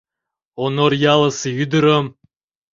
Онор ялысе ӱдырым.